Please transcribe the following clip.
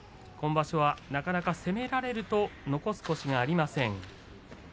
今場所はなかなか攻められると残す腰がありません。